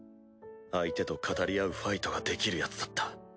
相手と語り合うファイトができるヤツだった。